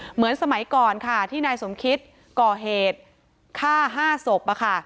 เหมือนสมัยก่อนค่ะที่นายสมคิตก่อเหตุฆ่า๕ศพ